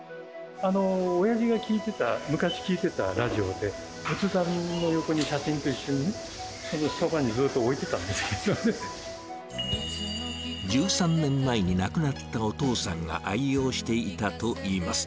おやじが聴いてた、昔聞いてたラジオで、仏壇の横に写真と一緒に、それでそばにずっ１３年前に亡くなったお父さんが愛用していたといいます。